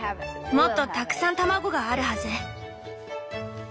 もっとたくさん卵があるはず。